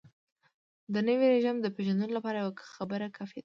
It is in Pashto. د نوي رژیم د پېژندلو لپاره یوه خبره کافي ده.